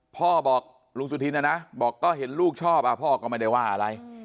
พ่อบอกลุงสุธินนะนะบอกก็เห็นลูกชอบพ่อก็ไม่ได้ว่าอะไร